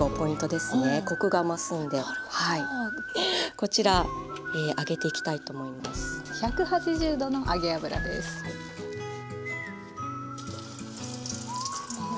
こちら揚げていきたいと思います。